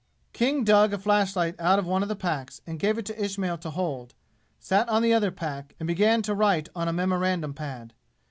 King dug a flashlight out of one of the packs, gave it to Ismail to hold, sat on the other pack and began to write on a memorandum pad.